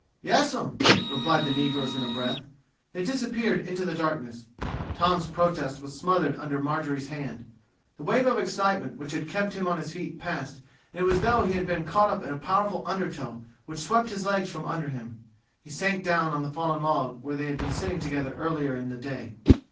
"Yassum," replied the negroes in a breath. They disappeared into the darkness. Tom's protest was smothered under Marjorie's hand. The wave of excitement which had kept him on his feet passed, and it was as though he had been caught in a powerful undertow which swept his legs from under him. He sank down on the fallen log where they had been sitting together earlier in the day.